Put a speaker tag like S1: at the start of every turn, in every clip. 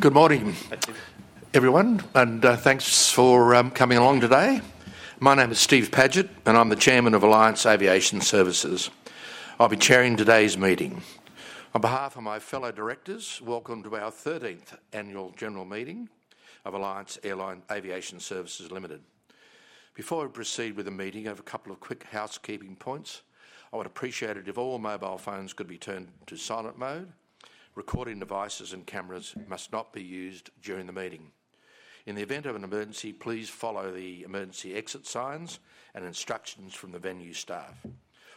S1: Good morning, everyone, and thanks for coming along today. My name is Steve Padgett, and I'm the chairman of Alliance Aviation Services. I'll be chairing today's meeting. On behalf of my fellow directors, welcome to our thirteenth annual general meeting of Alliance Aviation Services Limited. Before we proceed with the meeting, I have a couple of quick housekeeping points. I would appreciate it if all mobile phones could be turned to silent mode. Recording devices and cameras must not be used during the meeting. In the event of an emergency, please follow the emergency exit signs and instructions from the venue staff.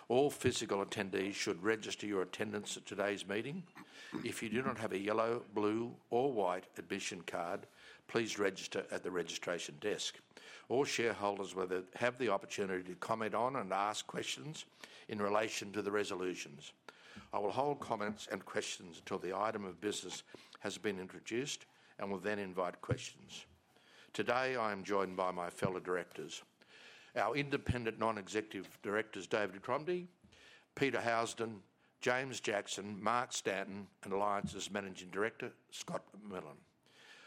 S1: All physical attendees should register your attendance at today's meeting. If you do not have a yellow, blue, or white admission card, please register at the registration desk. All shareholders will then have the opportunity to comment on and ask questions in relation to the resolutions. I will hold comments and questions until the item of business has been introduced, and will then invite questions. Today, I am joined by my fellow directors: our independent non-executive directors, David Crombie, Peter Housden, James Jackson, Mark Stanton, and Alliance's Managing Director, Scott McMillan.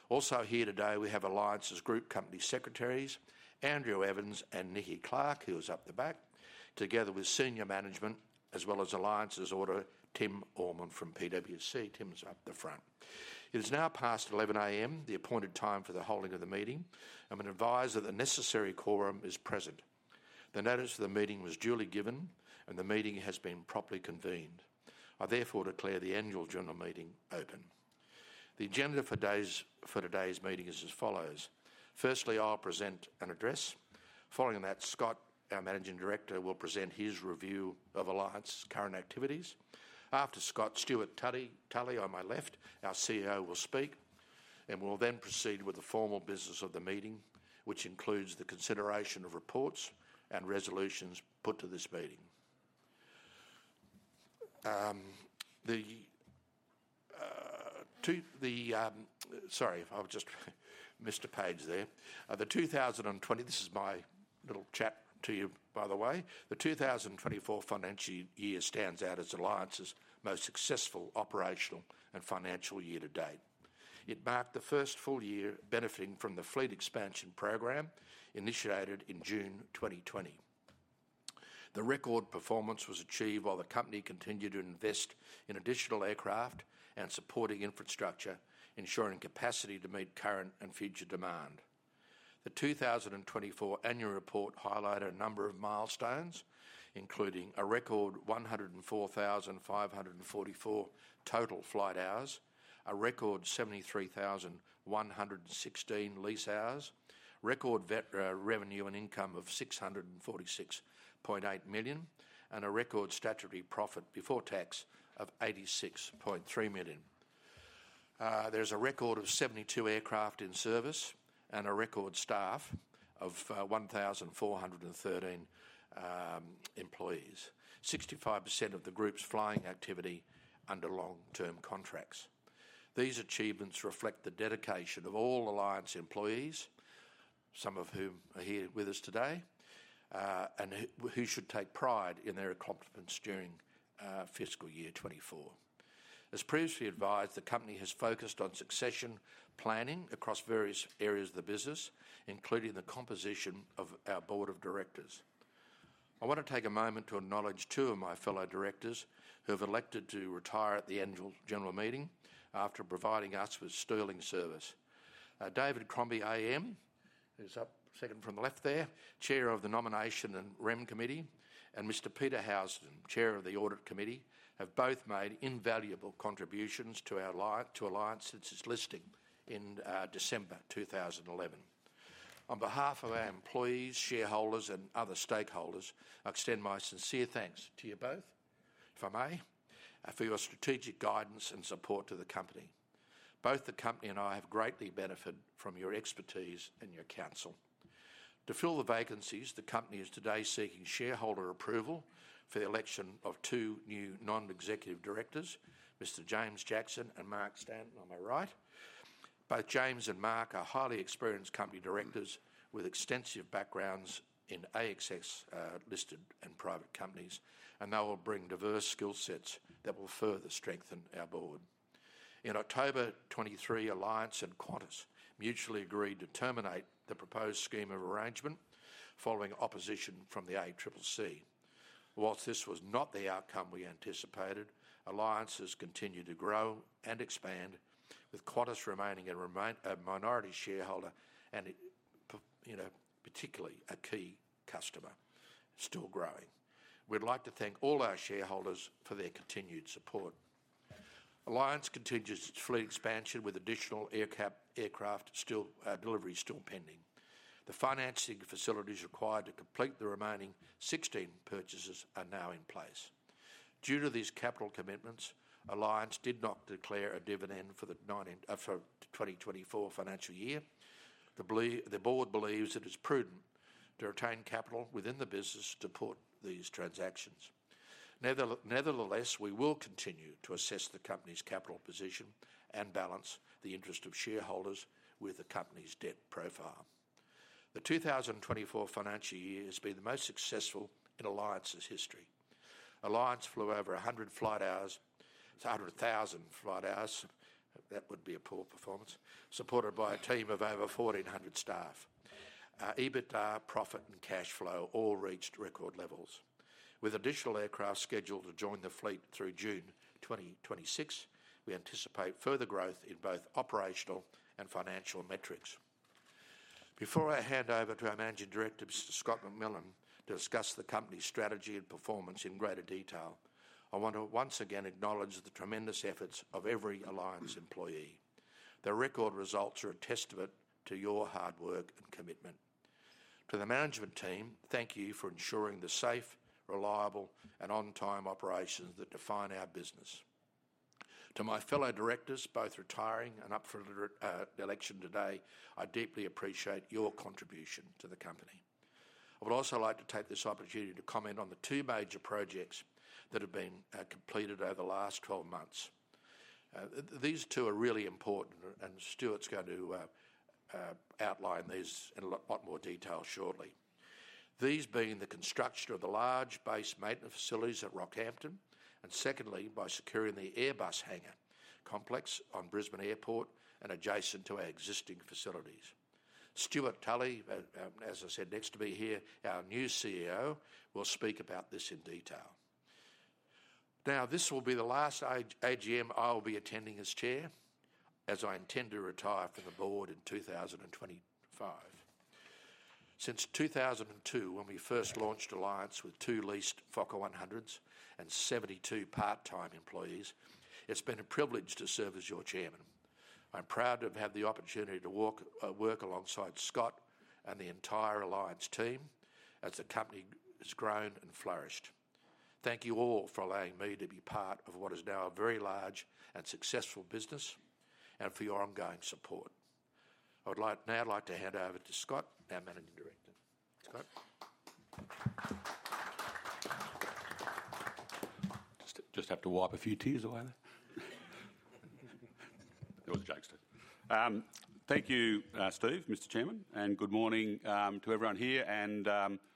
S1: Also here today, we have Alliance's group company secretaries, Andrew Evans and Nikki Clark, who is up the back, together with senior management, as well as Alliance's auditor, Tim Allman from PwC. Tim is up the front. It is now past 11 A.M., the appointed time for the holding of the meeting. I'm advised that the necessary quorum is present. The notice of the meeting was duly given, and the meeting has been properly convened. I therefore declare the annual general meeting open. The agenda for today's meeting is as follows: firstly, I'll present an address. Following that, Scott, our Managing Director, will present his review of Alliance's current activities. After Scott, Stuart Tully, Tully on my left, our CEO, will speak, and we'll then proceed with the formal business of the meeting, which includes the consideration of reports and resolutions put to this meeting. Sorry, I've just missed a page there. This is my little chat to you, by the way. The two thousand and twenty-four financial year stands out as Alliance's most successful operational and financial year to date. It marked the first full year benefiting from the fleet expansion program initiated in June 2020. The record performance was achieved while the company continued to invest in additional aircraft and supporting infrastructure, ensuring capacity to meet current and future demand. The 2024 annual report highlighted a number of milestones, including a record 104,544 total flight hours, a record 73,116 lease hours, record revenue and income of 646.8 million, and a record statutory profit before tax of 86.3 million. There's a record of 72 aircraft in service and a record staff of 1,413 employees. 65% of the group's flying activity under long-term contracts. These achievements reflect the dedication of all Alliance employees, some of whom are here with us today, and who should take pride in their accomplishments during fiscal year twenty-four. As previously advised, the company has focused on succession planning across various areas of the business, including the composition of our board of directors. I want to take a moment to acknowledge two of my fellow directors who have elected to retire at the annual general meeting after providing us with sterling service. David Crombie AM, who's up second from the left there, chair of the Nomination and Rem committee, and Mr Peter Housden, chair of the Audit Committee, have both made invaluable contributions to our Alliance since its listing in December 2011. On behalf of our employees, shareholders, and other stakeholders, I extend my sincere thanks to you both, if I may, for your strategic guidance and support to the company. Both the company and I have greatly benefited from your expertise and your counsel. To fill the vacancies, the company is today seeking shareholder approval for the election of two new non-executive directors, Mr. James Jackson and Mark Stanton on my right. Both James and Mark are highly experienced company directors with extensive backgrounds in ASX listed and private companies, and they will bring diverse skill sets that will further strengthen our board. In October 2023, Alliance and Qantas mutually agreed to terminate the proposed scheme of arrangement following opposition from the ACCC. While this was not the outcome we anticipated, Alliance has continued to grow and expand, with Qantas remaining a minority shareholder and, you know, particularly a key customer, still growing. We'd like to thank all our shareholders for their continued support. Alliance continues its fleet expansion with additional aircraft still, delivery still pending. The financing facilities required to complete the remaining sixteen purchases are now in place. Due to these capital commitments, Alliance did not declare a dividend for the 2024 financial year. The board believes it is prudent to retain capital within the business to support these transactions. Nevertheless, we will continue to assess the company's capital position and balance the interest of shareholders with the company's debt profile. The 2024 financial year has been the most successful in Alliance's history. Alliance flew over a hundred flight hours, a hundred thousand flight hours, that would be a poor performance, supported by a team of over 1,400 staff. EBITDA, profit, and cash flow all reached record levels. With additional aircraft scheduled to join the fleet through June 2026, we anticipate further growth in both operational and financial metrics. Before I hand over to our Managing Director, Mr. Scott McMillan, to discuss the company's strategy and performance in greater detail, I want to once again acknowledge the tremendous efforts of every Alliance employee. The record results are a testament to your hard work and commitment. To the management team, thank you for ensuring the safe, reliable, and on-time operations that define our business. To my fellow directors, both retiring and up for election today, I deeply appreciate your contribution to the company. I would also like to take this opportunity to comment on the two major projects that have been completed over the last 12 months. These two are really important, and Stuart's going to outline these in a lot more detail shortly. These being the construction of the large base maintenance facilities at Rockhampton, and secondly, by securing the Airbus hangar complex on Brisbane Airport and adjacent to our existing facilities. Stuart Tully, as I said, next to me here, our new CEO, will speak about this in detail. Now, this will be the last AGM I will be attending as Chair, as I intend to retire from the Board in 2025. Since 2002, when we first launched Alliance with two leased Fokker 100s and 72 part-time employees, it's been a privilege to serve as your Chairman. I'm proud to have had the opportunity to work alongside Scott and the entire Alliance team as the company has grown and flourished. Thank you all for allowing me to be part of what is now a very large and successful business, and for your ongoing support. I'd like to hand over to Scott, our Managing Director. Scott.
S2: Just have to wipe a few tears away there. It was a jokester. Thank you, Steve, Mr. Chairman, and good morning to everyone here and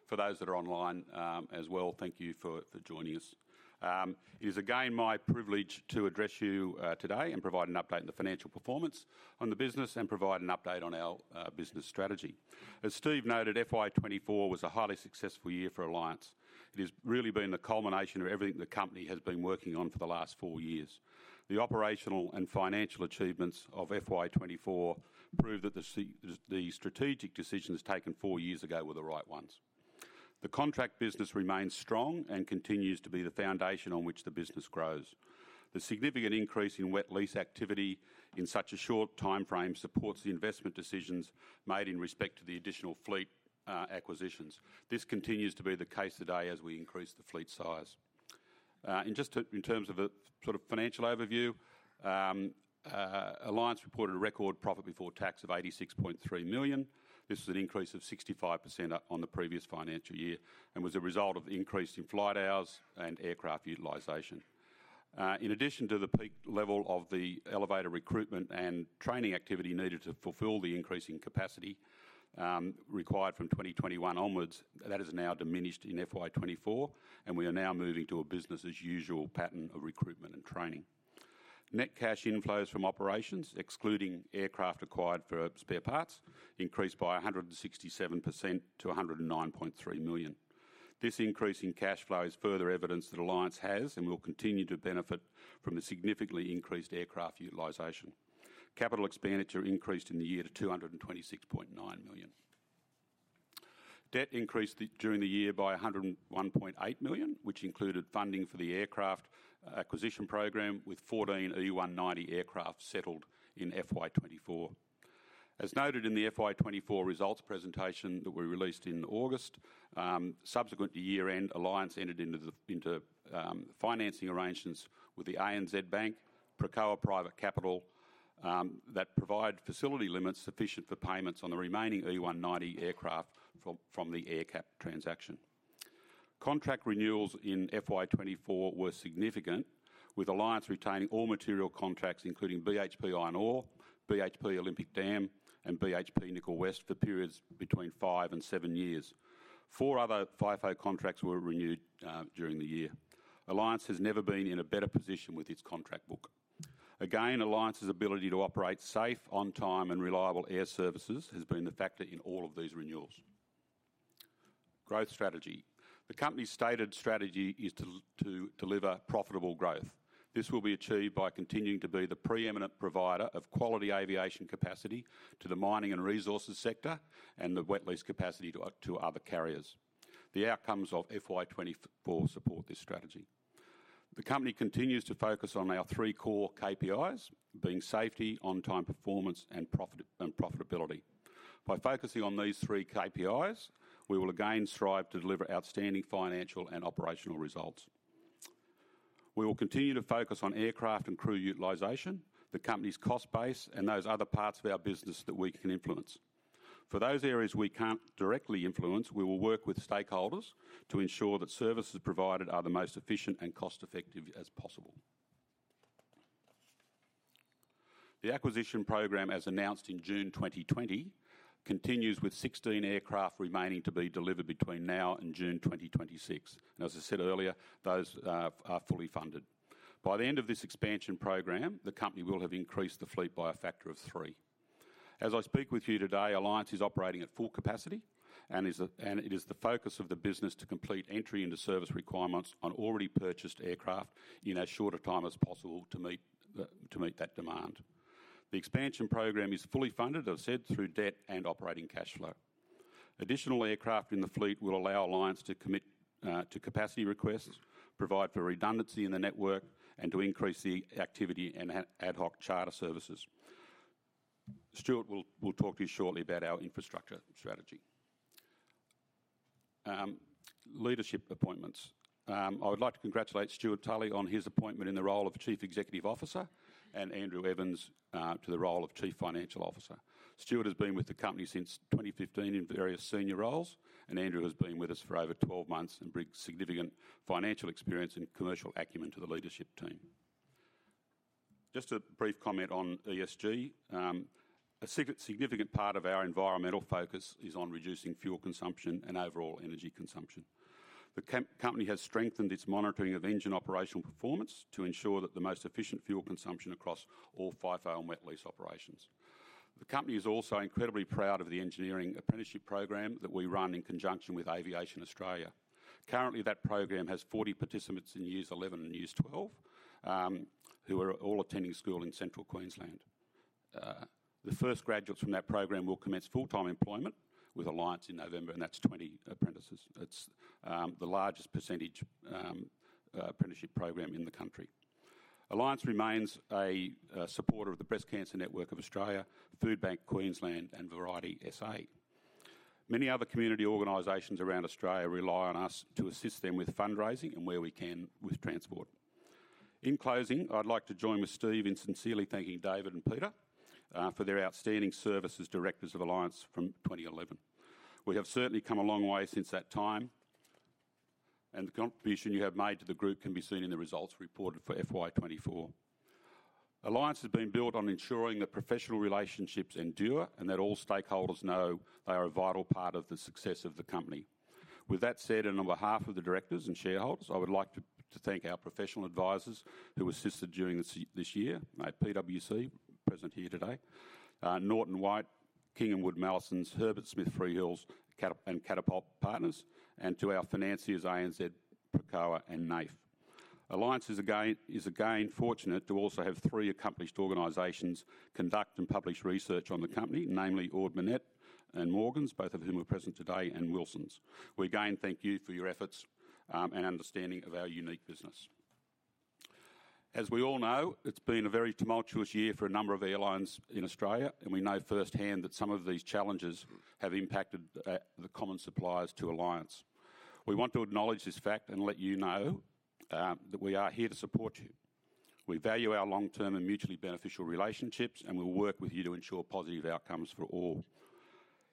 S2: for those that are online, as well. Thank you for joining us. It is again my privilege to address you today and provide an update on the financial performance on the business and provide an update on our business strategy. As Steve noted, FY24 was a highly successful year for Alliance. It has really been the culmination of everything the company has been working on for the last four years. The operational and financial achievements of FY24 prove that the strategic decisions taken four years ago were the right ones. The contract business remains strong and continues to be the foundation on which the business grows. The significant increase in wet lease activity in such a short timeframe supports the investment decisions made in respect to the additional fleet, acquisitions. This continues to be the case today as we increase the fleet size. And just to, in terms of a sort of financial overview, Alliance reported a record profit before tax of 86.3 million. This was an increase of 65% up on the previous financial year and was a result of the increase in flight hours and aircraft utilization. In addition to the peak level of the elevated recruitment and training activity needed to fulfill the increase in capacity, required from 2021 onwards, that has now diminished in FY24, and we are now moving to a business-as-usual pattern of recruitment and training. Net cash inflows from operations, excluding aircraft acquired for spare parts, increased by 167% to 109.3 million. This increase in cash flow is further evidence that Alliance has, and will continue to benefit from, the significantly increased aircraft utilization. Capital expenditure increased in the year to 226.9 million. Debt increased during the year by 101.8 million, which included funding for the aircraft acquisition program, with fourteen E190 aircraft settled in FY24. As noted in the FY24 results presentation that we released in August, subsequent to year-end, Alliance entered into financing arrangements with the ANZ Bank, Pricoa Private Capital, that provide facility limits sufficient for payments on the remaining E190 aircraft from the AerCap transaction. Contract renewals in FY24 were significant, with Alliance retaining all material contracts, including BHP Iron Ore, BHP Olympic Dam, and BHP Nickel West, for periods between five and seven years. Four other FIFO contracts were renewed during the year. Alliance has never been in a better position with its contract book. Again, Alliance's ability to operate safe, on-time, and reliable air services has been a factor in all of these renewals. Growth strategy. The company's stated strategy is to deliver profitable growth. This will be achieved by continuing to be the pre-eminent provider of quality aviation capacity to the mining and resources sector, and the wet lease capacity to other carriers. The outcomes of FY24 support this strategy. The company continues to focus on our three core KPIs, being safety, on-time performance, and profitability. By focusing on these three KPIs, we will again strive to deliver outstanding financial and operational results. We will continue to focus on aircraft and crew utilization, the company's cost base, and those other parts of our business that we can influence. For those areas we can't directly influence, we will work with stakeholders to ensure that services provided are the most efficient and cost-effective as possible. The acquisition program, as announced in June 2020, continues with sixteen aircraft remaining to be delivered between now and June 2026. And as I said earlier, those are fully funded. By the end of this expansion program, the company will have increased the fleet by a factor of three. As I speak with you today, Alliance is operating at full capacity, and it is the focus of the business to complete entry into service requirements on already purchased aircraft in as short a time as possible to meet that demand. The expansion program is fully funded, as I said, through debt and operating cash flow. Additional aircraft in the fleet will allow Alliance to commit to capacity requests, provide for redundancy in the network, and to increase the activity and ad hoc charter services. Stuart will talk to you shortly about our infrastructure strategy. Leadership appointments. I would like to congratulate Stewart Tully on his appointment in the role of Chief Executive Officer and Andrew Evans to the role of Chief Financial Officer. Stuart has been with the company since 2015 in various senior roles, and Andrew has been with us for over 12 months and brings significant financial experience and commercial acumen to the leadership team. Just a brief comment on ESG. A significant part of our environmental focus is on reducing fuel consumption and overall energy consumption. The company has strengthened its monitoring of engine operational performance to ensure that the most efficient fuel consumption across all FIFO and wet lease operations. The company is also incredibly proud of the engineering apprenticeship program that we run in conjunction with Aviation Australia. Currently, that program has 40 participants in Years 11 and Years 12, who are all attending school in Central Queensland. The first graduates from that program will commence full-time employment with Alliance in November, and that's 20 apprentices. It's the largest percentage apprenticeship program in the country. Alliance remains a supporter of the Breast Cancer Network of Australia, Foodbank Queensland, and Variety SA. Many other community organizations around Australia rely on us to assist them with fundraising and where we can, with transport. In closing, I'd like to join with Steve in sincerely thanking David and Peter for their outstanding service as directors of Alliance from 2011. We have certainly come a long way since that time, and the contribution you have made to the group can be seen in the results reported for FY 2024. Alliance has been built on ensuring that professional relationships endure and that all stakeholders know they are a vital part of the success of the company. With that said, and on behalf of the directors and shareholders, I would like to thank our professional advisors who assisted during this year, PwC, present here today, Norton White, King & Wood Mallesons, Herbert Smith Freehills, and Catapult Partners, and to our financiers, ANZ, Pricoa, and NAIF. Alliance is again fortunate to also have three accomplished organizations conduct and publish research on the company, namely Ord Minnett and Morgans, both of whom are present today, and Wilsons. We again thank you for your efforts, and understanding of our unique business. As we all know, it's been a very tumultuous year for a number of airlines in Australia, and we know firsthand that some of these challenges have impacted the common suppliers to Alliance. We want to acknowledge this fact and let you know that we are here to support you. We value our long-term and mutually beneficial relationships, and we will work with you to ensure positive outcomes for all.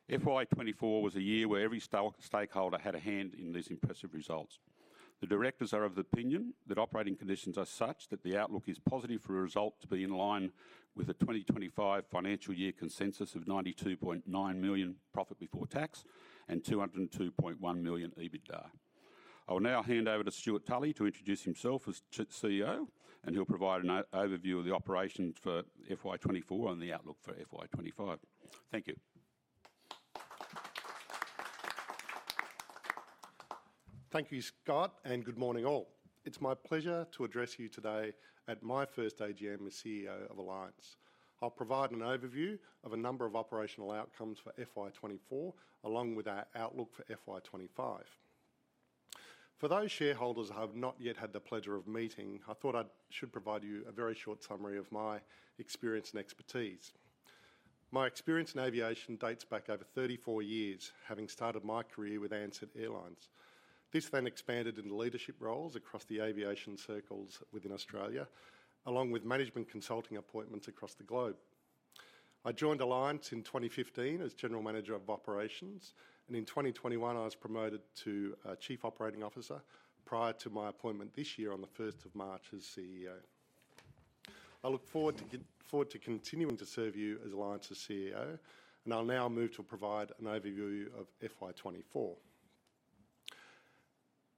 S2: FY 2024 was a year where every stakeholder had a hand in these impressive results. The directors are of the opinion that operating conditions are such that the outlook is positive for a result to be in line with the 2025 financial year consensus of 92.9 million profit before tax and 202.1 million EBITDA. I will now hand over to Stuart Tully to introduce himself as CEO, and he'll provide an overview of the operations for FY 2024 and the outlook for FY 2025. Thank you.
S3: Thank you, Scott, and good morning, all. It's my pleasure to address you today at my first AGM as CEO of Alliance. I'll provide an overview of a number of operational outcomes for FY twenty-four, along with our outlook for FY twenty-five. For those shareholders I have not yet had the pleasure of meeting, I thought I should provide you a very short summary of my experience and expertise. My experience in aviation dates back over thirty-four years, having started my career with Ansett Airlines. This then expanded into leadership roles across the aviation circles within Australia, along with management consulting appointments across the globe. I joined Alliance in 2015 as General Manager of Operations, and in 2021, I was promoted to Chief Operating Officer prior to my appointment this year on the 1st of March as CEO. I look forward to continuing to serve you as Alliance's CEO, and I'll now move to provide an overview of FY 2024.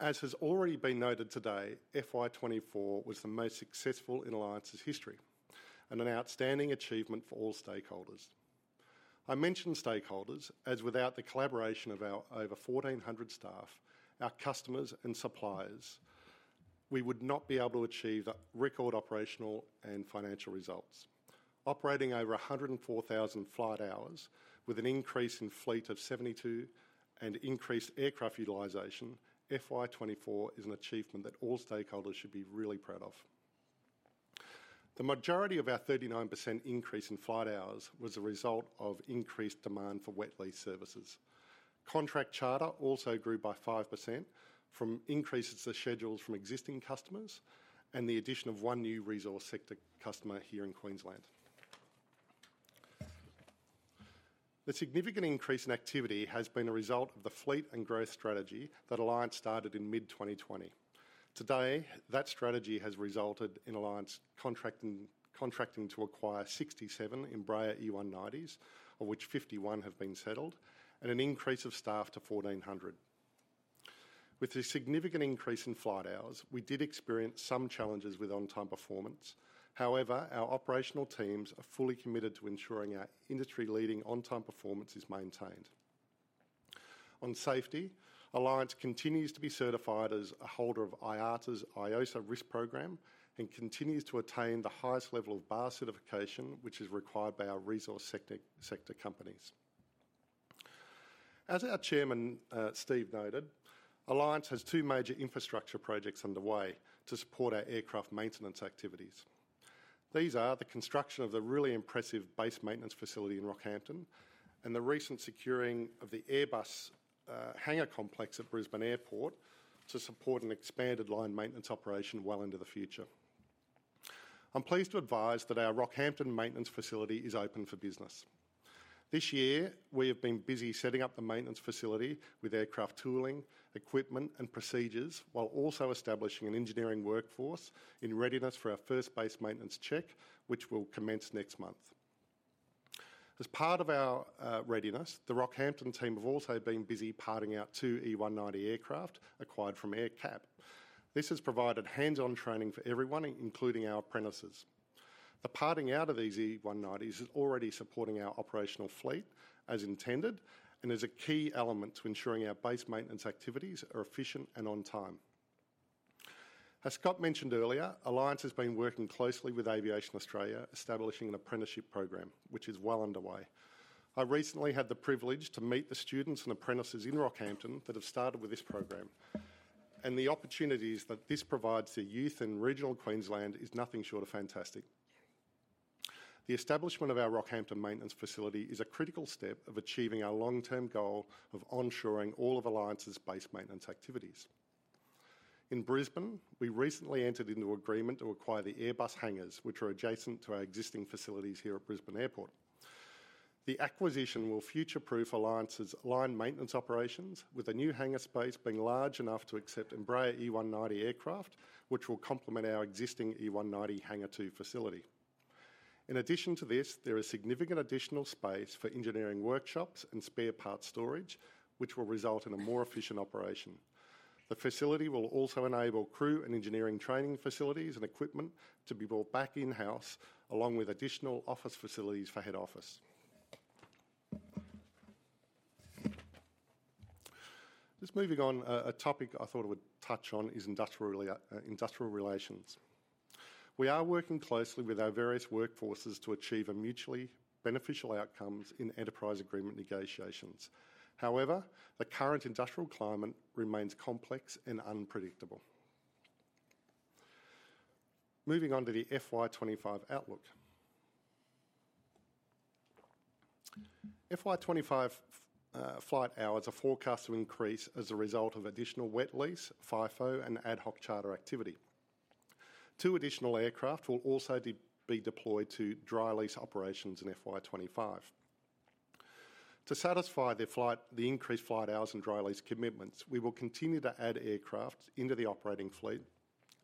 S3: As has already been noted today, FY 2024 was the most successful in Alliance's history and an outstanding achievement for all stakeholders. I mention stakeholders, as without the collaboration of our over 1,400 staff, our customers and suppliers, we would not be able to achieve the record operational and financial results. Operating over 104,000 flight hours with an increase in fleet of 72 and increased aircraft utilization, FY 2024 is an achievement that all stakeholders should be really proud of. The majority of our 39% increase in flight hours was a result of increased demand for wet lease services. Contract charter also grew by 5% from increases to schedules from existing customers and the addition of one new resource sector customer here in Queensland. The significant increase in activity has been a result of the fleet and growth strategy that Alliance started in mid-2020. Today, that strategy has resulted in Alliance contracting to acquire 67 Embraer E190s, of which 51 have been settled, and an increase of staff to 1,400. With this significant increase in flight hours, we did experience some challenges with on-time performance. However, our operational teams are fully committed to ensuring our industry-leading on-time performance is maintained. On safety, Alliance continues to be certified as a holder of IATA's IOSA risk program and continues to attain the highest level of BARS certification, which is required by our resource sector companies. As our chairman, Steve noted, Alliance has two major infrastructure projects underway to support our aircraft maintenance activities. These are the construction of the really impressive base maintenance facility in Rockhampton, and the recent securing of the Airbus hangar complex at Brisbane Airport to support an expanded line maintenance operation well into the future. I'm pleased to advise that our Rockhampton maintenance facility is open for business. This year, we have been busy setting up the maintenance facility with aircraft tooling, equipment, and procedures, while also establishing an engineering workforce in readiness for our first base maintenance check, which will commence next month. As part of our readiness, the Rockhampton team have also been busy parting out two E190 aircraft acquired from AerCap. This has provided hands-on training for everyone, including our apprentices. The parting out of these E190s is already supporting our operational fleet as intended and is a key element to ensuring our base maintenance activities are efficient and on time. As Scott mentioned earlier, Alliance has been working closely with Aviation Australia, establishing an apprenticeship program which is well underway. I recently had the privilege to meet the students and apprentices in Rockhampton that have started with this program, and the opportunities that this provides to youth in regional Queensland is nothing short of fantastic. The establishment of our Rockhampton maintenance facility is a critical step of achieving our long-term goal of onshoring all of Alliance's base maintenance activities. In Brisbane, we recently entered into agreement to acquire the Airbus hangars, which are adjacent to our existing facilities here at Brisbane Airport. The acquisition will future-proof Alliance's line maintenance operations, with the new hangar space being large enough to accept Embraer E190 aircraft, which will complement our existing E190 Hangar 2 facility. In addition to this, there is significant additional space for engineering workshops and spare parts storage, which will result in a more efficient operation. The facility will also enable crew and engineering training facilities and equipment to be brought back in-house, along with additional office facilities for head office. Just moving on, a topic I thought I would touch on is industrial relations. We are working closely with our various workforces to achieve a mutually beneficial outcomes in enterprise agreement negotiations. However, the current industrial climate remains complex and unpredictable. Moving on to the FY25 outlook. FY25, flight hours are forecast to increase as a result of additional wet lease, FIFO, and ad hoc charter activity. Two additional aircraft will also be deployed to dry lease operations in FY25. To satisfy the fleet, the increased flight hours and dry lease commitments, we will continue to add aircraft into the operating fleet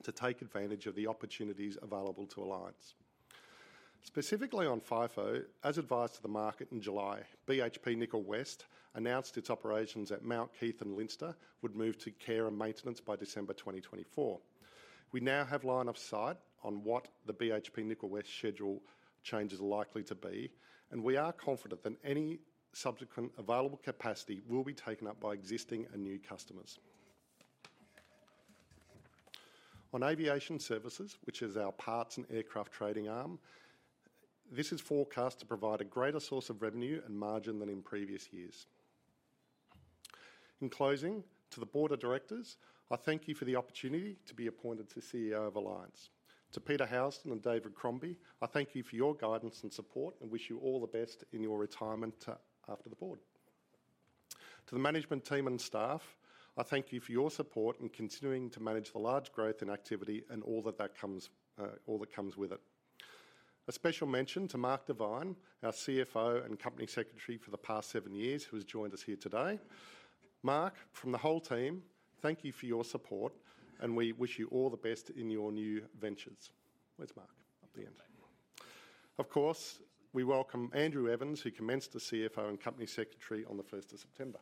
S3: to take advantage of the opportunities available to Alliance. Specifically on FIFO, as advised to the market in July, BHP Nickel West announced its operations at Mount Keith and Leinster would move to care and maintenance by December 2024. We now have line of sight on what the BHP Nickel West schedule changes are likely to be, and we are confident that any subsequent available capacity will be taken up by existing and new customers. On Aviation Services, which is our parts and aircraft trading arm, this is forecast to provide a greater source of revenue and margin than in previous years. In closing, to the board of directors, I thank you for the opportunity to be appointed to CEO of Alliance. To Peter Housden and David Crombie, I thank you for your guidance and support and wish you all the best in your retirement after the board. To the management team and staff, I thank you for your support in continuing to manage the large growth in activity and all that that comes, all that comes with it. A special mention to Mark Devine, our CFO and company secretary for the past seven years, who has joined us here today. Mark, from the whole team, thank you for your support, and we wish you all the best in your new ventures. Where's Mark? Up the end. Of course, we welcome Andrew Evans, who commenced as CFO and company secretary on the first of September.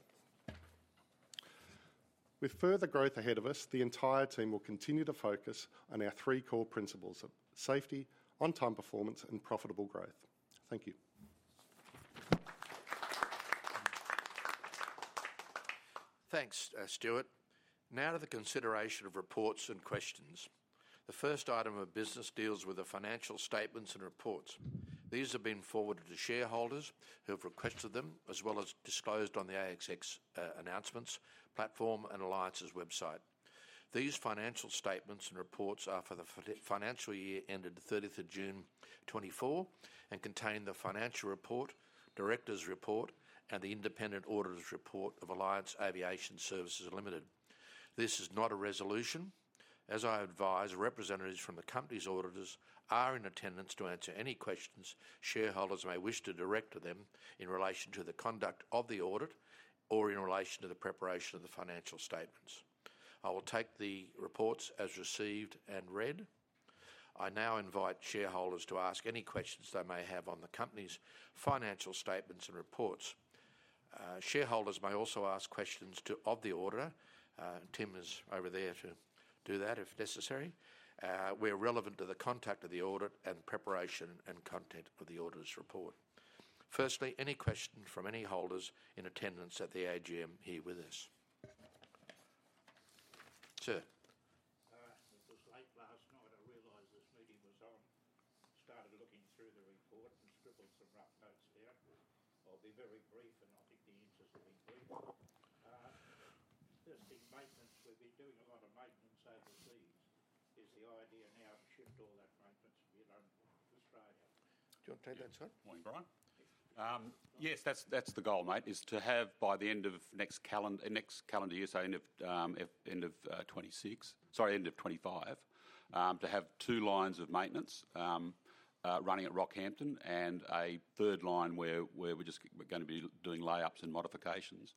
S3: With further growth ahead of us, the entire team will continue to focus on our three core principles of safety, on-time performance, and profitable growth. Thank you.
S1: Thanks, Stuart. Now to the consideration of reports and questions. The first item of business deals with the financial statements and reports. These have been forwarded to shareholders who have requested them, as well as disclosed on the ASX announcements platform and Alliance's website. These financial statements and reports are for the financial year ended the thirtieth of June 2024 and contain the financial report, directors' report, and the independent auditor's report of Alliance Aviation Services Limited. This is not a resolution. As I advised, representatives from the company's auditors are in attendance to answer any questions shareholders may wish to direct to them in relation to the conduct of the audit or in relation to the preparation of the financial statements. I will take the reports as received and read. I now invite shareholders to ask any questions they may have on the company's financial statements and reports. Shareholders may also ask questions of the auditor. Tim is over there to do that if necessary, where relevant to the conduct of the audit and preparation and content of the auditor's report. Firstly, any questions from any holders in attendance at the AGM here with us? Sir.
S4: It was late last night, I realized this meeting was on. Started looking through the report and scribbled some rough notes down. I'll be very brief, and I think you answered some indeed. Just in maintenance, we've been doing a lot of maintenance overseas. Is the idea now to shift all that maintenance here to Australia?
S1: Do you want to take that, Scott?
S2: Morning, Brian. Yes, that's, that's the goal, mate, is to have by the end of next calendar year, so end of 2026. Sorry, end of 2025, to have two lines of maintenance running at Rockhampton, and a third line where we're just gonna be doing lay-ups and modifications.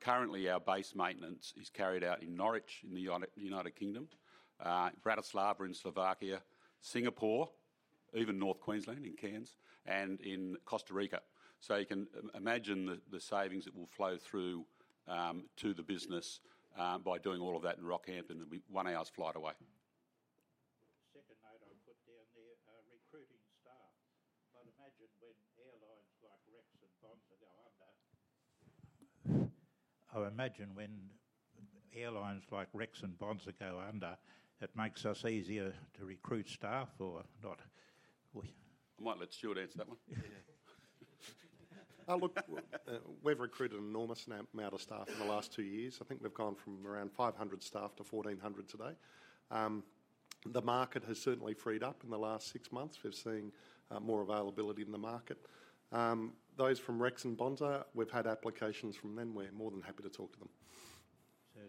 S2: Currently, our base maintenance is carried out in Norwich, in the United Kingdom, Bratislava in Slovakia, Singapore, even North Queensland in Cairns, and in Costa Rica. So you can imagine the savings that will flow through to the business by doing all of that in Rockhampton, and one hour's flight away.
S4: Second note I put down there, recruiting staff. I'd imagine when airlines like Rex and Bonza go under, it makes us easier to recruit staff or not? We-
S2: I might let Stuart answer that one.
S3: Yeah. Look, we've recruited an enormous amount of staff in the last two years. I think we've gone from around 500 staff to 1,400 today. The market has certainly freed up in the last six months. We've seen more availability in the market. Those from Rex and Bonza, we've had applications from them. We're more than happy to talk to them.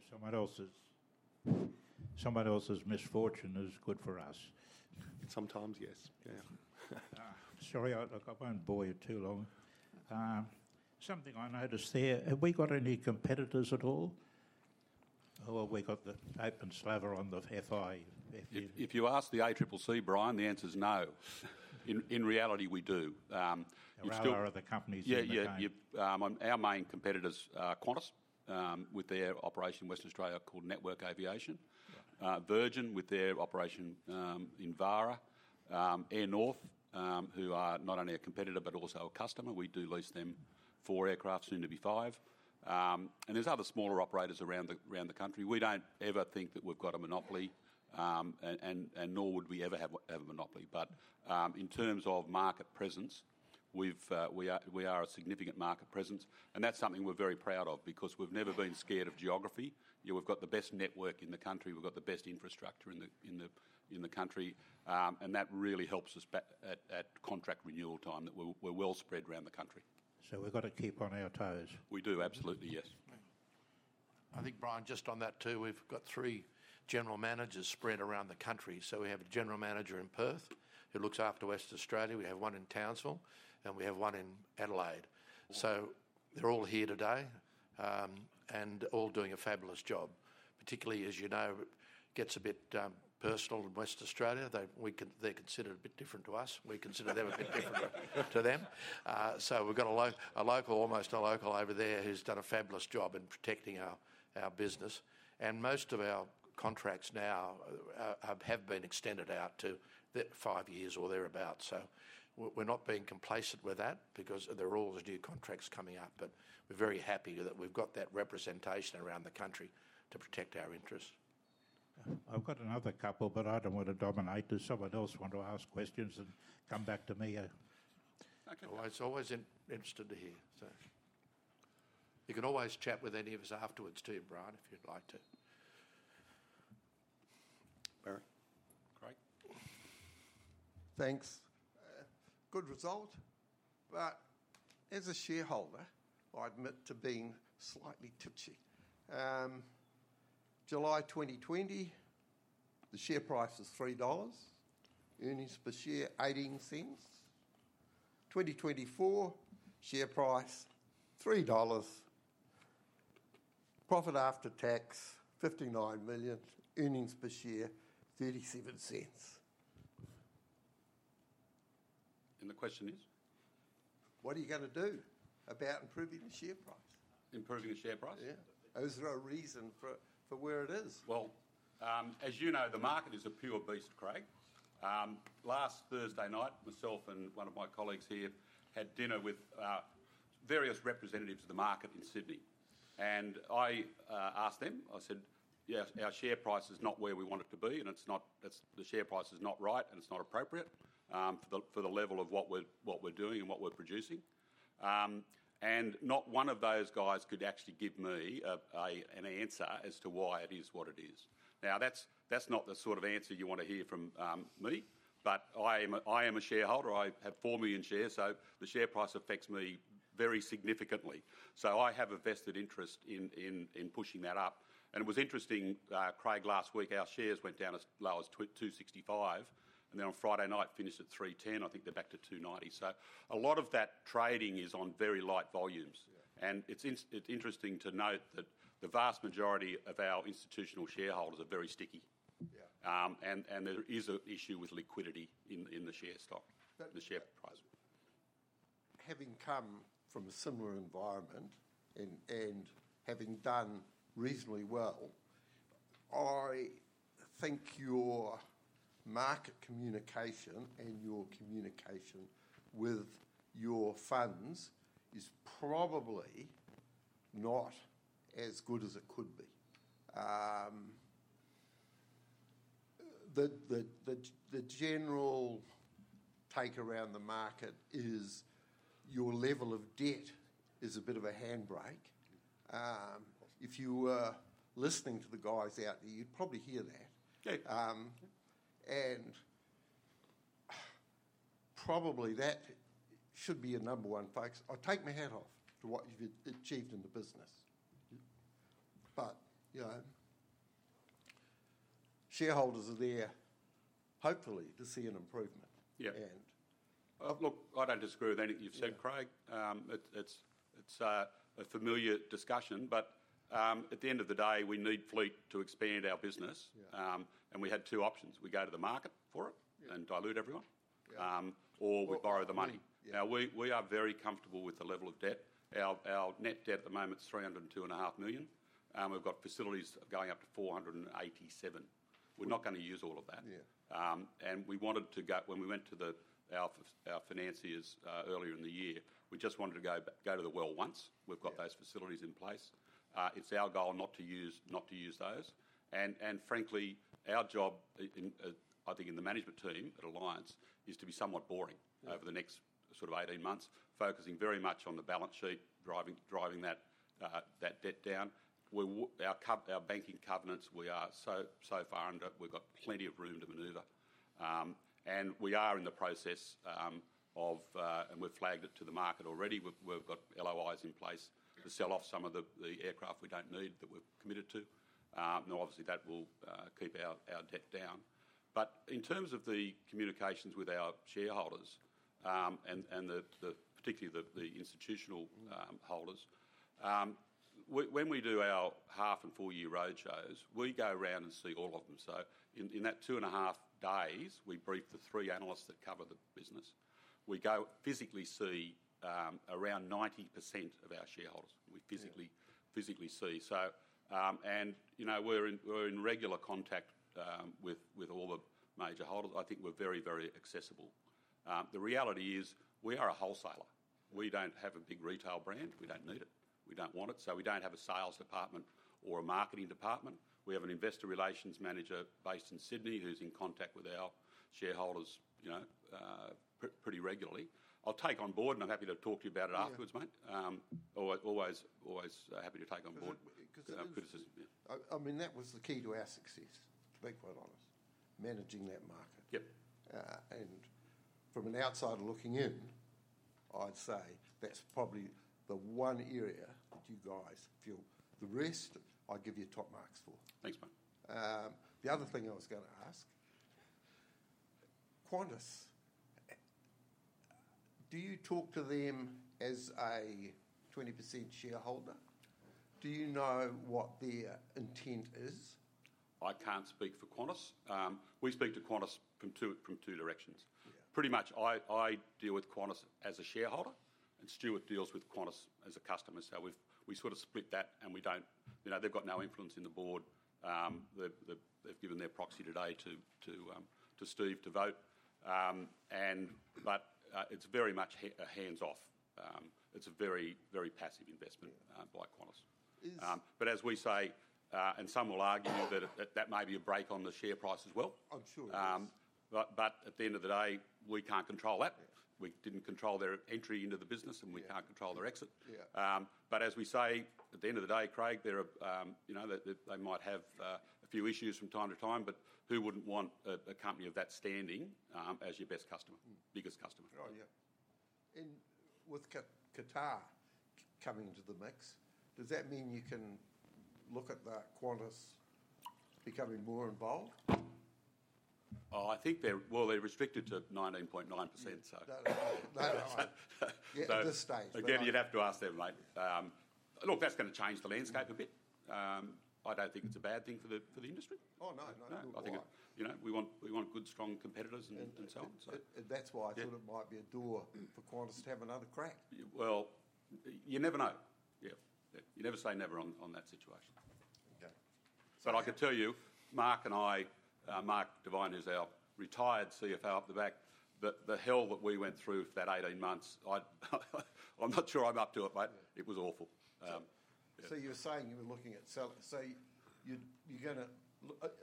S4: So someone else's misfortune is good for us?
S3: Sometimes, yes. Yeah.
S4: Sorry, look, I won't bore you too long. Something I noticed there: have we got any competitors at all? Well, we've got the open slather on the FIFO.
S2: If you ask the ACCC, Brian, the answer is no. In reality, we do. We still-
S4: There are other companies in the game.
S2: Yeah, yeah, our main competitors are Qantas, with their operation in Western Australia called Network Aviation; Virgin, with their operation in VARA; Airnorth, who are not only a competitor, but also a customer. We do lease them four aircraft, soon to be five. And there's other smaller operators around the country. We don't ever think that we've got a monopoly, and nor would we ever have a monopoly. But, in terms of market presence, we are a significant market presence, and that's something we're very proud of because we've never been scared of geography. We've got the best network in the country. We've got the best infrastructure in the country. And that really helps us back at contract renewal time, that we're well spread around the country.
S4: So we've got to keep on our toes?
S2: We do, absolutely, yes.
S1: I think, Brian, just on that, too, we've got three general managers spread around the country. So we have a general manager in Perth who looks after Western Australia. We have one in Townsville, and we have one in Adelaide. So they're all here today, and all doing a fabulous job. Particularly, as you know, it gets a bit personal in Western Australia. They're considered a bit different to us. We consider them a bit different to them. So we've got a local, almost a local over there, who's done a fabulous job in protecting our business. And most of our contracts now have been extended out to the five years or thereabout. We're not being complacent with that because there are all the new contracts coming up, but we're very happy that we've got that representation around the country to protect our interests.
S4: I've got another couple, but I don't want to dominate. Does someone else want to ask questions and come back to me here?
S3: Okay.
S1: It's always interesting to hear, so you can always chat with any of us afterwards, too, Brian, if you'd like to. Barry.
S2: Craig.
S5: Thanks. Good result, but as a shareholder, I admit to being slightly touchy. July 2020, the share price was 3 dollars, earnings per share, 0.18. 2024, share price, 3 dollars. Profit after tax, 59 million. Earnings per share, 0.37.
S2: The question is?
S5: What are you gonna do about improving the share price?
S2: Improving the share price?
S5: Yeah. Is there a reason for where it is?
S2: As you know, the market is a pure beast, Craig. Last Thursday night, myself and one of my colleagues here had dinner with various representatives of the market in Sydney, and I asked them. I said, "Yeah, our share price is not where we want it to be, and it's not the share price is not right, and it's not appropriate for the level of what we're doing and what we're producing." And not one of those guys could actually give me an answer as to why it is what it is. Now, that's not the sort of answer you want to hear from me, but I am a shareholder. I have four million shares, so the share price affects me very significantly, so I have a vested interest in pushing that up. And it was interesting, Craig, last week, our shares went down as low as 2.65, and then on Friday night finished at 3.10. I think they're back to 2.90. So a lot of that trading is on very light volumes.
S5: Yeah.
S2: It's interesting to note that the vast majority of our institutional shareholders are very sticky.
S5: Yeah.
S2: And there is an issue with liquidity in the share stock.
S5: That?
S2: The share price.
S5: Having come from a similar environment and having done reasonably well, I think your market communication and your communication with your funds is probably not as good as it could be. The general take around the market is your level of debt is a bit of a handbrake. If you were listening to the guys out there, you'd probably hear that.
S2: Okay.
S5: And probably that should be your number one focus. I take my hat off to what you've achieved in the business. But, you know, shareholders are there hopefully to see an improvement.
S2: Yeah.
S5: And?
S2: Look, I don't disagree with anything you've said, Craig.
S5: Yeah.
S2: It's a familiar discussion, but at the end of the day, we need fleet to expand our business.
S5: Yeah.
S2: And we had two options: we go to the market for it.
S5: Yeah
S2: And dilute everyone.
S5: Yeah
S2: Or we borrow the money.
S5: Yeah.
S2: Now, we are very comfortable with the level of debt. Our net debt at the moment is 302.5 million, and we've got facilities going up to 487 million. We're not gonna use all of that.
S5: Yeah.
S2: When we went to our financiers earlier in the year, we just wanted to go to the well once.
S5: Yeah.
S2: We've got those facilities in place. It's our goal not to use those. And frankly, our job, I think in the management team at Alliance, is to be somewhat boring-
S5: Yeah
S2: Over the next sort of eighteen months, focusing very much on the balance sheet, driving that debt down. Our banking covenants, we are so far under, we've got plenty of room to maneuver, and we are in the process of, and we've flagged it to the market already. We've got LOIs in place-.
S5: Yeah
S2: To sell off some of the aircraft we don't need, that we're committed to, and obviously that will keep our debt down, but in terms of the communications with our shareholders, and the particularly the institutional holders, when we do our half and full year roadshows, we go around and see all of them, so in that two and a half days, we brief the three analysts that cover the business. We go, physically see, around 90% of our shareholders-
S5: Yeah
S2: We physically see. So, and you know, we're in regular contact with all the major holders. I think we're very, very accessible. The reality is, we are a wholesaler. We don't have a big retail brand. We don't need it. We don't want it. So we don't have a sales department or a marketing department. We have an investor relations manager based in Sydney who's in contact with our shareholders, you know, pretty regularly. I'll take on board, and I'm happy to talk to you about it afterwards-
S5: Yeah
S2: Mate. Always, always, always happy to take on board-
S5: 'Cause, uh
S2: Criticism, yeah.
S5: I mean, that was the key to our success, to be quite honest, managing that market.
S2: Yep.
S5: And from an outsider looking in, I'd say that's probably the one area that you guys feel. The rest, I give you top marks for.
S2: Thanks, mate.
S5: The other thing I was gonna ask, Qantas, do you talk to them as a 20% shareholder? Do you know what their intent is?
S2: I can't speak for Qantas. We speak to Qantas from two directions.
S5: Yeah.
S2: Pretty much I deal with Qantas as a shareholder, and Stuart deals with Qantas as a customer. So we've sort of split that, and we don't... You know, they've got no influence in the board. They've given their proxy today to Steve to vote. And it's very much hands-off. It's a very passive investment-
S5: Yeah
S2: By Qantas.
S5: Is?
S2: But as we say, and some will argue that may be a brake on the share price as well.
S5: I'm sure it is.
S2: But at the end of the day, we can't control that.
S5: Yeah.
S2: We didn't control their entry into the business, and we.
S5: Yeah
S2: Can't control their exit.
S5: Yeah.
S2: But as we say, at the end of the day, Craig, they're, you know, they might have a few issues from time to time, but who wouldn't want a company of that standing as your best customer.
S5: Mm
S2: Biggest customer.
S5: Oh, yeah. And with Qatar coming into the mix, does that mean you can look at the Qantas becoming more involved?
S2: Oh, I think they're... Well, they're restricted to 19.9%, so.
S5: Yeah, no, I.
S2: So.
S5: At this stage.
S2: Again, you'd have to ask them, mate. Look, that's gonna change the landscape a bit.
S5: Yeah.
S2: I don't think it's a bad thing for the industry.
S5: Oh, no, not at all.
S2: You know, we want good, strong competitors and so on, so.
S5: That's why I thought it might be a door for Qantas to have another crack.
S2: Well, you never know. Yeah. You never say never on that situation.
S5: Okay.
S2: But I can tell you, Mark and I, Mark Devine, who's our retired CFO up the back, the hell that we went through for that eighteen months, I'm not sure I'm up to it, mate.
S5: Yeah.
S2: It was awful.
S5: So-
S2: Yeah
S5: So you're saying you were looking at selling. So you're gonna.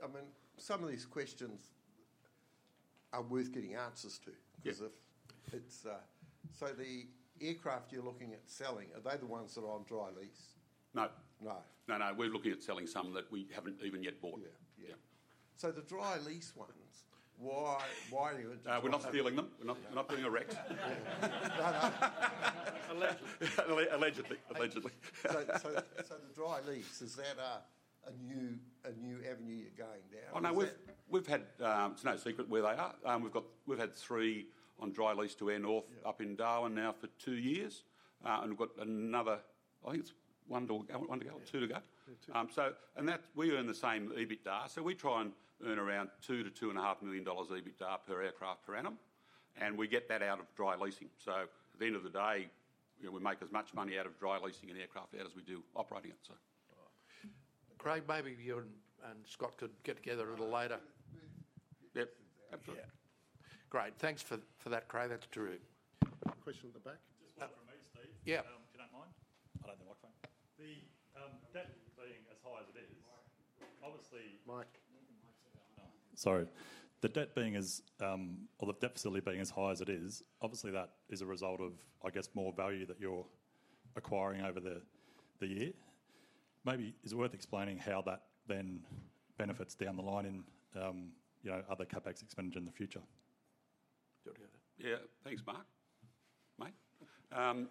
S5: I mean, some of these questions. Are worth getting answers to.
S2: Yeah.
S5: 'Cause if it's, so the aircraft you're looking at selling, are they the ones that are on dry lease?
S2: No.
S5: No.
S2: No, no, we're looking at selling some that we haven't even yet bought.
S5: Yeah, yeah.
S2: Yeah.
S5: So the dry lease ones, why, why are you-
S2: We're not stealing them.
S5: Yeah.
S2: We're not doing a Rex.
S5: No, no.
S2: Allegedly. Allegedly.
S5: So, the dry lease, is that a new avenue you're going down, or is that-
S2: Oh, no, we've had. It's no secret where they are. We've had three on dry lease to Airnorth-
S5: Yeah
S2: Up in Darwin now for two years. And we've got another, I think it's one to go? Two to go.
S6: Yeah, two.
S2: We earn the same EBITDA. We try and earn around 2-2.5 million dollars EBITDA per aircraft per annum, and we get that out of dry leasing. At the end of the day, you know, we make as much money out of dry leasing an aircraft out as we do operating it.
S1: Right. Craig, maybe you and Scott could get together a little later.
S2: Yeah.
S5: Yep, absolutely.
S1: Great. Thanks for that, Craig. That's true. Question at the back?
S7: Just one from me, Steve.
S1: Yeah.
S7: If you don't mind, I'll have the microphone. The debt being as high as it is obviously.
S1: Mic.
S6: Make the mic.
S7: Oh, no, sorry. The debt being as, or the deficit being as high as it is, obviously that is a result of, I guess, more value that you're acquiring over the year. Maybe is it worth explaining how that then benefits down the line in, you know, other CapEx expenditure in the future?
S2: Do you want to hear that? Yeah. Thanks, Mark. Mate.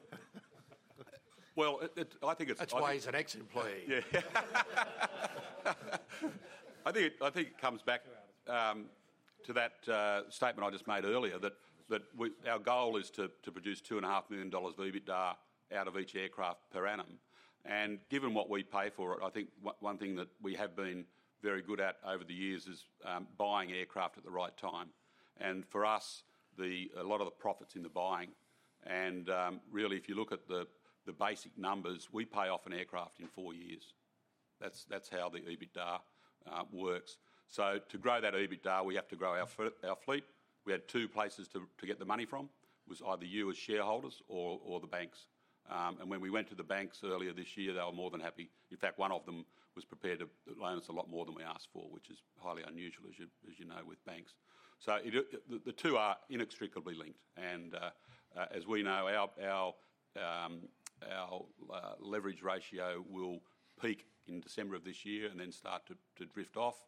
S2: Well, I think it's.
S1: That's why he's an ex-employee.
S2: Yeah. I think it comes back.
S1: Good answer
S2: To that statement I just made earlier, that our goal is to produce 2.5 million dollars of EBITDA out of each aircraft per annum. And given what we pay for it, I think one thing that we have been very good at over the years is buying aircraft at the right time. And for us, a lot of the profit's in the buying. And really, if you look at the basic numbers, we pay off an aircraft in four years. That's how the EBITDA works. So to grow that EBITDA, we have to grow our fleet. We had two places to get the money from, was either you, as shareholders, or the banks. And when we went to the banks earlier this year, they were more than happy. In fact, one of them was prepared to loan us a lot more than we asked for, which is highly unusual, as you know, with banks. So the two are inextricably linked. As we know, our leverage ratio will peak in December of this year and then start to drift off.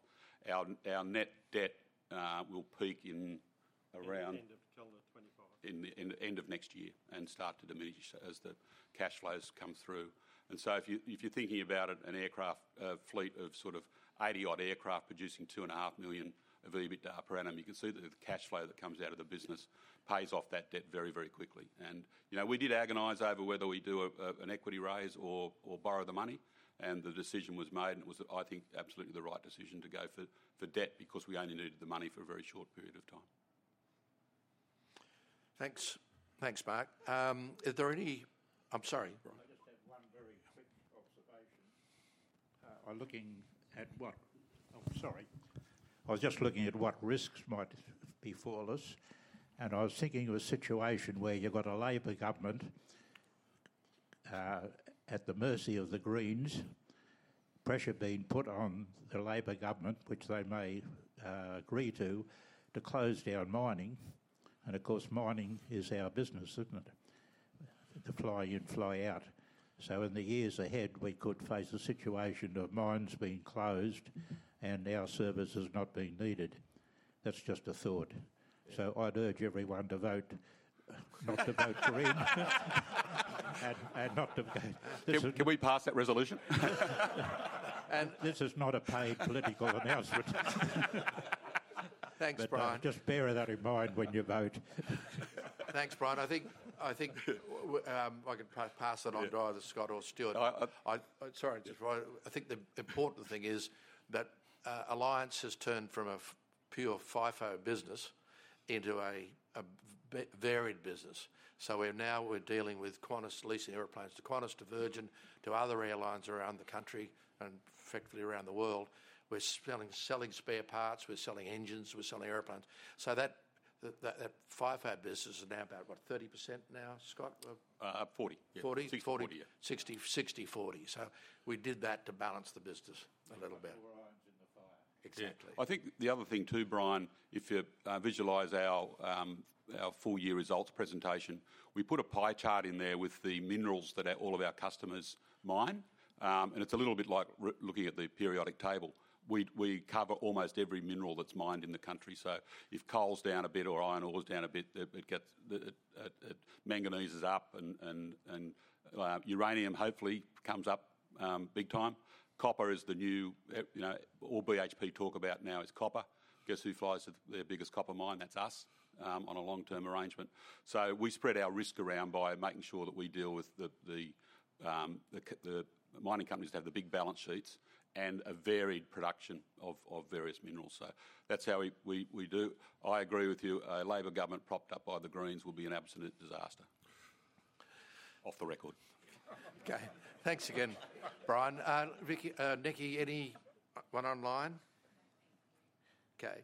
S2: Our net debt will peak in, around.
S6: End of September 2024.
S2: In the end of next year, and start to diminish as the cash flows come through. And so if you're thinking about it, an aircraft fleet of sort of 80-odd aircraft producing 2.5 million of EBITDA per annum, you can see that the cash flow that comes out of the business pays off that debt very, very quickly. And, you know, we did agonize over whether we do an equity raise or borrow the money, and the decision was made, and it was, I think, absolutely the right decision to go for debt, because we only needed the money for a very short period of time.
S1: Thanks. Thanks, Mark. Are there any... I'm sorry, Brian?
S4: I just had one very quick observation. I was just looking at what risks might befall us, and I was thinking of a situation where you've got a Labor government at the mercy of the Greens, pressure being put on the Labor government, which they may agree to, to close down mining. And of course, mining is our business, isn't it? The fly-in fly-out. So in the years ahead, we could face a situation of mines being closed and our services not being needed. That's just a thought. So I'd urge everyone not to vote Green and not to.
S2: Can we pass that resolution?
S4: This is not a paid political announcement.
S1: Thanks, Brian.
S4: But just bear that in mind when you vote.
S1: Thanks, Brian. I think I can pass that on.
S2: Yeah
S1: To either Scott or Stuart.
S4: Sorry
S1: I think the important thing is that Alliance has turned from a pure FIFO business into a varied business. So we're now dealing with Qantas, leasing airplanes to Qantas, to Virgin, to other airlines around the country, and effectively, around the world. We're selling spare parts, we're selling engines, we're selling airplanes. So that FIFO business is now about 30% now, Scott?
S2: 40, yeah.
S1: 40?
S2: 60/40, yeah.
S1: 60/40. So we did that to balance the business a little bit.
S8: More orange in the fire.
S1: Exactly.
S2: Yeah. I think the other thing, too, Brian, if you visualize our full-year results presentation, we put a pie chart in there with the minerals that all of our customers mine. And it's a little bit like looking at the periodic table. We cover almost every mineral that's mined in the country. So if coal's down a bit or iron ore is down a bit, it gets manganese is up, and uranium hopefully comes up big time. Copper is the new... You know, all BHP talk about now is copper. Guess who flies to their biggest copper mine? That's us, on a long-term arrangement. So we spread our risk around by making sure that we deal with the mining companies that have the big balance sheets and a varied production of various minerals. So that's how we do. I agree with you, a Labor government propped up by the Greens will be an absolute disaster. Off the record.
S1: Okay, thanks again, Brian. Vicky, Nikki, anyone online?
S8: Nothing.
S1: Okay,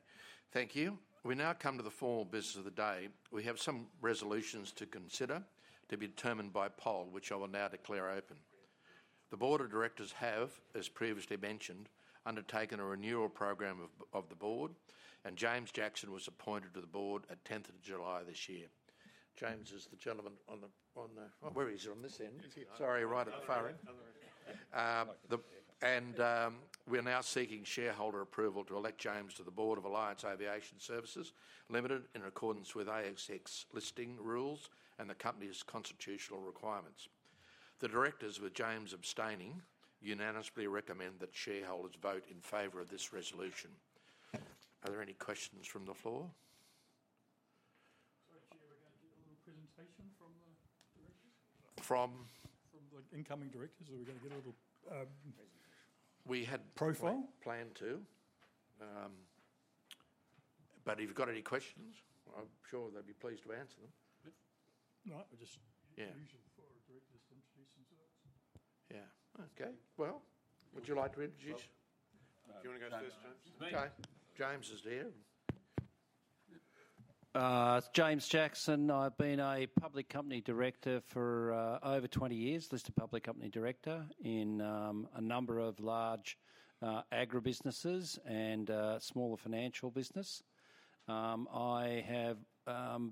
S1: thank you. We now come to the formal business of the day. We have some resolutions to consider, to be determined by poll, which I will now declare open. The board of directors have, as previously mentioned, undertaken a renewal program of the board, and James Jackson was appointed to the board on 10th of July this year. James is the gentleman on the, oh, where is he? On this end.
S9: He's here.
S1: Sorry, right at the far end.
S9: Other end.
S1: We're now seeking shareholder approval to elect James to the board of Alliance Aviation Services Limited, in accordance with ASX Listing Rules and the company's constitutional requirements. The directors, with James abstaining, unanimously recommend that shareholders vote in favor of this resolution. Are there any questions from the floor?
S6: Sorry, Chair, are we going to get a little presentation from the directors?
S1: From?
S6: From the incoming directors, are we gonna get a little,
S9: Presentation
S8: Profile?
S1: We had planned to, but if you've got any questions, I'm sure they'd be pleased to answer them.
S9: Yeah.
S6: Right, we'll just.
S1: Yeah
S6: Introduce them before our directors introduce themselves.
S1: Yeah. Okay. Well, would you like to introduce?
S9: Do you wanna go first, James?
S10: No, no.
S1: Okay, James is here.
S10: James Jackson. I've been a public company director for over twenty years, listed public company director in a number of large agribusinesses and smaller financial business. I have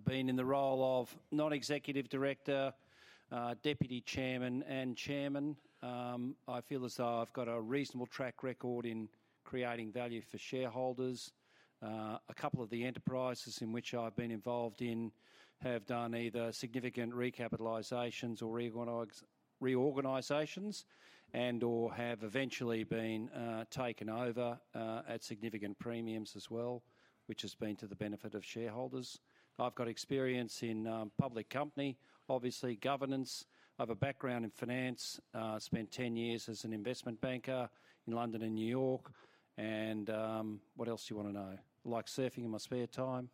S10: been in the role of non-executive director, deputy chairman, and chairman. I feel as though I've got a reasonable track record in creating value for shareholders. A couple of the enterprises in which I've been involved in have done either significant recapitalizations or reorganizations and/or have eventually been taken over at significant premiums as well, which has been to the benefit of shareholders. I've got experience in public company, obviously governance. I've a background in finance. Spent ten years as an investment banker in London and New York. And, what else do you wanna know? I like surfing in my spare time.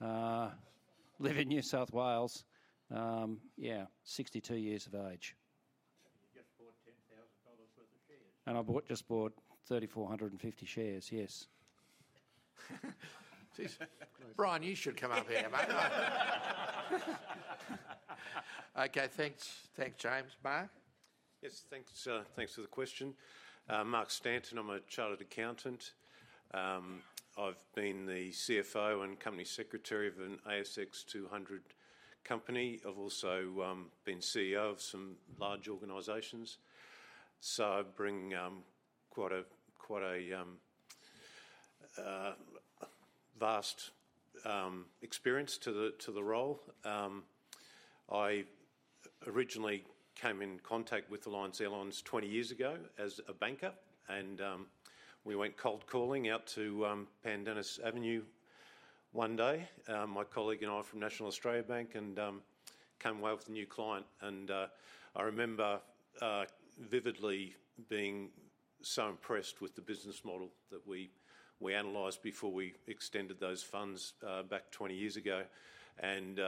S10: Live in New South Wales. Yeah, 62 years of age.
S6: You just bought AUD 10,000 worth of shares.
S10: I just bought 3,450 shares, yes.
S1: Jeez. Brian, you should come up here, mate. Okay, thanks. Thanks, James. Mark?
S9: Yes, thanks, thanks for the question. I'm Mark Stanton. I'm a chartered accountant. I've been the CFO and Company Secretary of an ASX 200 company. I've also been CEO of some large organizations. So I bring quite a vast experience to the role. I originally came in contact with Alliance Airlines twenty years ago as a banker, and we went cold calling out to Pandanus Avenue one day, my colleague and I from National Australia Bank, and came away with a new client. I remember vividly being so impressed with the business model that we analyzed before we extended those funds back twenty years ago. Made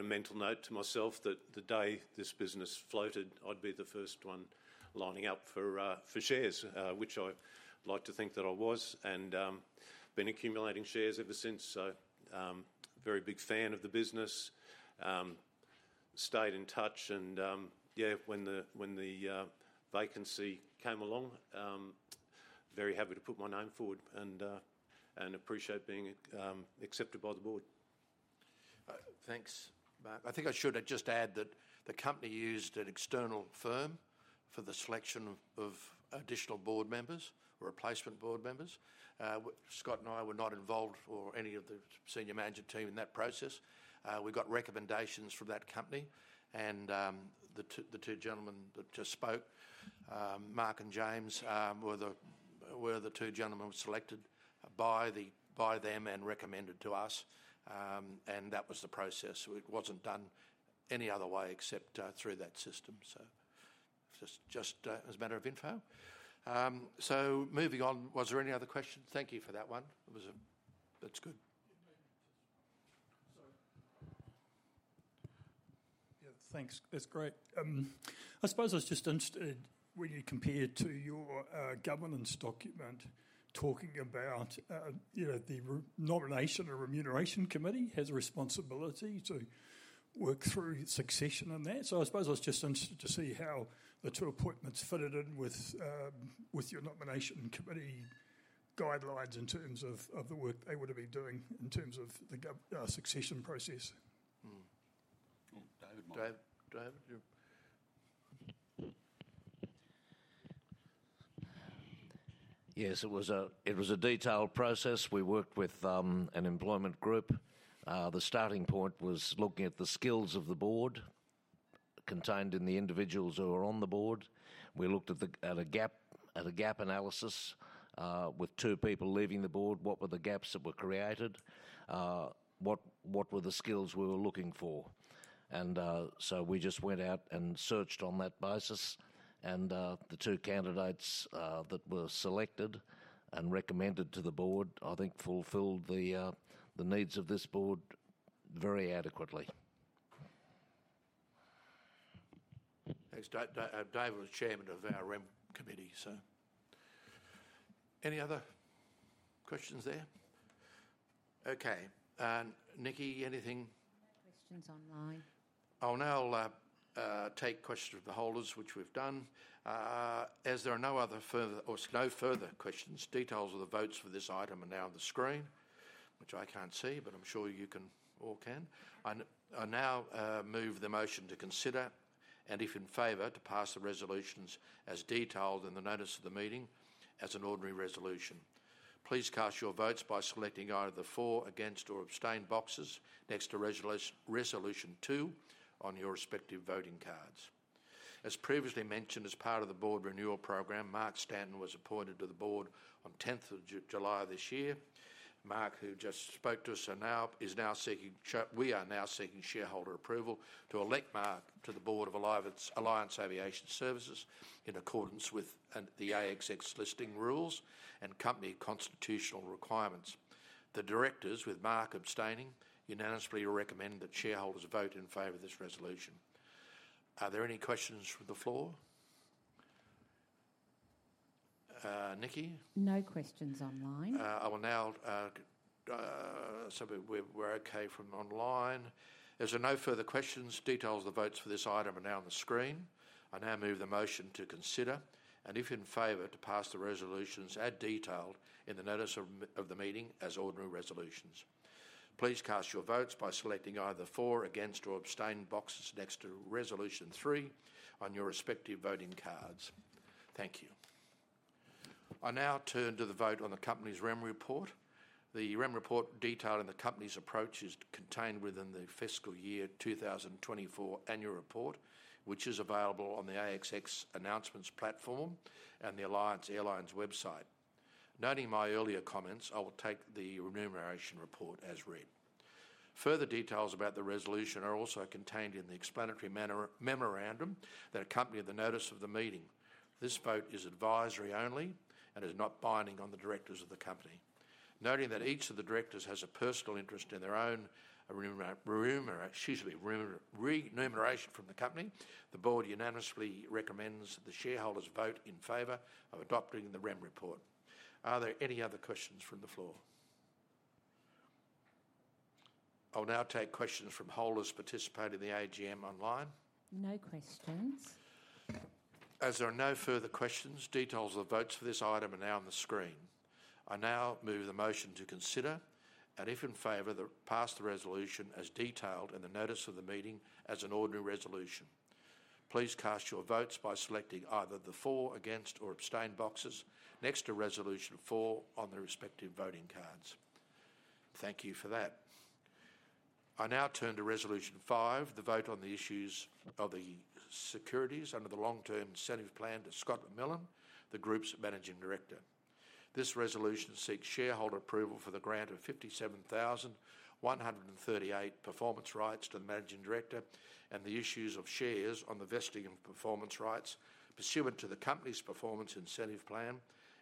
S9: a mental note to myself that the day this business floated, I'd be the first one lining up for shares, which I'd like to think that I was, and been accumulating shares ever since. Very big fan of the business. Stayed in touch and yeah, when the vacancy came along, very happy to put my name forward and appreciate being accepted by the board.
S1: Thanks, Mark. I think I should just add that the company used an external firm for the selection of additional board members or replacement board members. Scott and I were not involved or any of the senior management team in that process. We got recommendations from that company, and the two gentlemen that just spoke, Mark and James, were the two gentlemen selected by them and recommended to us. And that was the process. It wasn't done any other way except through that system. So just as a matter of info. So moving on, was there any other questions? Thank you for that one. It was a, That's good.
S2: Sorry. Yeah, thanks. That's great. I suppose I was just interested, when you compare to your governance document, talking about, you know, the nomination and remuneration committee has a responsibility to work through succession and that. So I suppose I was just interested to see how the two appointments fitted in with your nomination committee guidelines in terms of the work they would have been doing in terms of the governance succession process.
S1: Well, David? David, you?
S11: Yes, it was a detailed process. We worked with an employment group. The starting point was looking at the skills of the board, contained in the individuals who are on the board. We looked at a gap analysis. With two people leaving the board, what were the gaps that were created? What were the skills we were looking for? And so we just went out and searched on that basis, and the two candidates that were selected and recommended to the board, I think fulfilled the needs of this board very adequately.
S1: Thanks, David was chairman of our REM committee. Any other questions there? Okay, and Nikki, anything?
S8: No questions online.
S1: I'll now take questions from the holders, which we've done. As there are no other further, or no further questions, details of the votes for this item are now on the screen, which I can't see, but I'm sure you can, all can. I now move the motion to consider, and if in favor, to pass the resolutions as detailed in the notice of the meeting as an ordinary resolution. Please cast your votes by selecting either the for, against, or abstain boxes next to Resolution Two on your respective voting cards. As previously mentioned, as part of the board renewal program, Mark Stanton was appointed to the board on tenth of July this year. Mark, who just spoke to us, are now, is now seeking we are now seeking shareholder approval to elect Mark to the board of Alliance, Alliance Aviation Services, in accordance with the ASX listing rules and company constitutional requirements. The directors, with Mark abstaining, unanimously recommend that shareholders vote in favor of this resolution. Are there any questions from the floor? Nikki?
S8: No questions online.
S1: I will now. We're okay from online. As there are no further questions, details of the votes for this item are now on the screen. I now move the motion to consider, and if in favor, to pass the resolutions as detailed in the notice of meeting as ordinary resolutions. Please cast your votes by selecting either for, against, or abstain boxes next to Resolution Three on your respective voting cards. Thank you. I now turn to the vote on the company's remuneration report. The remuneration report detailed in the company's approach is contained within the fiscal year 2024 annual report, which is available on the ASX announcements platform and the Alliance Airlines website. Noting my earlier comments, I will take the remuneration report as read. Further details about the resolution are also contained in the explanatory memorandum that accompanied the notice of the meeting. This vote is advisory only and is not binding on the directors of the company. Noting that each of the directors has a personal interest in their own remuneration from the company, the board unanimously recommends that the shareholders vote in favor of adopting the Rem report. Are there any other questions from the floor? I'll now take questions from holders participating in the AGM online.
S8: No questions.
S1: As there are no further questions, details of the votes for this item are now on the screen. I now move the motion to consider, and if in favor, to pass the resolution as detailed in the notice of the meeting as an ordinary resolution. Please cast your votes by selecting either the for, against, or abstain boxes next to Resolution Four on the respective voting cards. Thank you for that. I now turn to Resolution Five, the vote on the issue of the securities under the long-term incentive plan to Scott McMillan, the group's Managing Director. This resolution seeks shareholder approval for the grant of fifty-seven thousand one hundred and thirty-eight performance rights to the managing director, and the issues of shares on the vesting of performance rights pursuant to the company's performance incentive plan,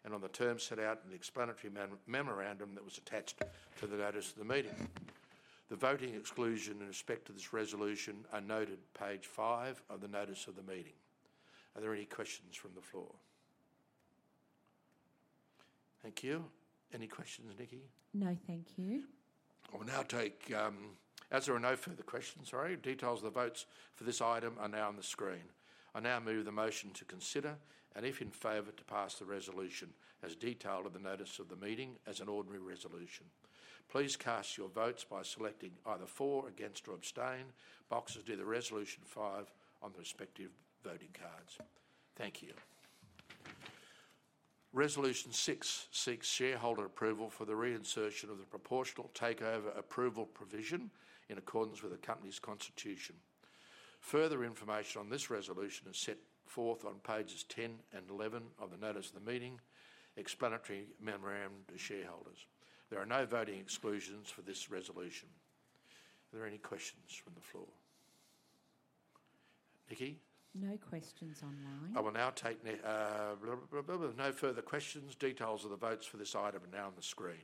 S1: and on the terms set out in the explanatory memorandum that was attached to the notice of the meeting. The voting exclusion in respect to this resolution are noted, page five of the notice of the meeting. Are there any questions from the floor? Thank you. Any questions, Nikki?
S8: No, thank you.
S1: I will now take, As there are no further questions, sorry, details of the votes for this item are now on the screen. I now move the motion to consider, and if in favor, to pass the resolution as detailed in the notice of the meeting as an ordinary resolution. Please cast your votes by selecting either for, against, or abstain boxes to the Resolution Five on the respective voting cards. Thank you. Resolution Six seeks shareholder approval for the reinsertion of the proportional takeover approval provision in accordance with the company's constitution. Further information on this resolution is set forth on pages 10 and 11 of the notice of the meeting, explanatory memorandum to shareholders. There are no voting exclusions for this resolution. Are there any questions from the floor? Nikki?
S8: No questions online.
S1: I will now take with no further questions, details of the votes for this item are now on the screen.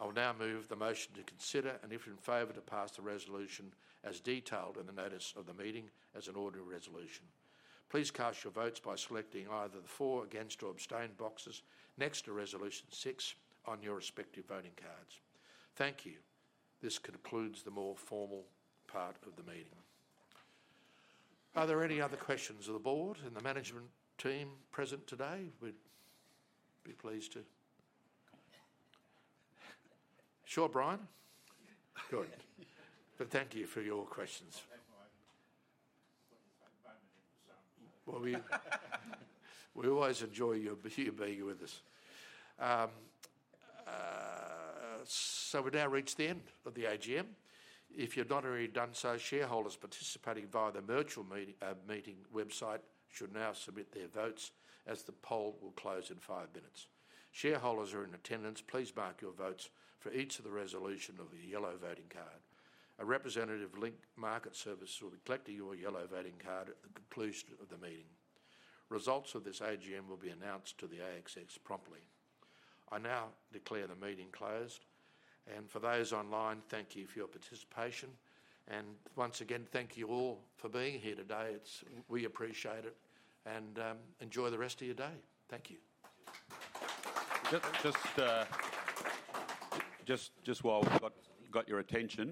S1: I will now move the motion to consider, and if in favor, to pass the resolution as detailed in the notice of the meeting as an ordinary resolution. Please cast your votes by selecting either the for, against, or abstain boxes next to Resolution Six on your respective voting cards. Thank you. This concludes the more formal part of the meeting. Are there any other questions of the board and the management team present today? We'd be pleased to Sure, Brian? Good. But thank you for your questions.
S4: I'll take my moment in the sun.
S1: Well, we always enjoy you being with us. So we've now reached the end of the AGM. If you've not already done so, shareholders participating via the virtual meeting website should now submit their votes, as the poll will close in five minutes. Shareholders who are in attendance, please mark your votes for each of the resolution of the yellow voting card. A representative Link Market Services will be collecting your yellow voting card at the conclusion of the meeting. Results of this AGM will be announced to the ASX promptly. I now declare the meeting closed. For those online, thank you for your participation, and once again, thank you all for being here today. It's. We appreciate it, and enjoy the rest of your day. Thank you.
S2: Just while we've got your attention-